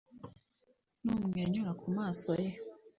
Numwenyura kumaso ye